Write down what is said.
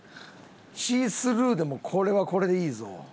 シースルーでもこれはこれでいいぞ。